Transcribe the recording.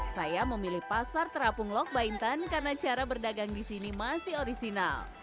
saya memilih pasar terapung lok baintan karena cara berdagang di sini masih orisinal